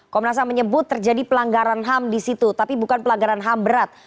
komnas ham menyebut terjadi pelanggaran ham di situ tapi bukan pelanggaran ham berat